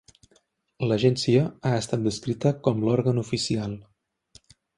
L'agència ha estat descrita com l'òrgan oficial.